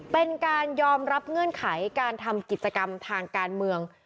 เป็นการยอมรับเงื่อนไขการทำกิจกรรมทางการเมือง